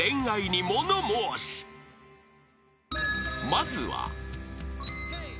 ［まずは］